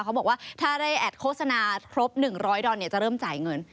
เขาบอกว่าถ้าได้แอดโฆษณาครบ๑๐๐ดอนจะเริ่มจ่ายเงิน